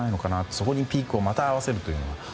そこにピークをまた合わせるというのも。